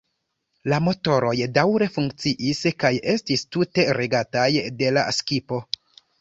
La motoroj daŭre funkciis kaj estis tute regataj de la skipo.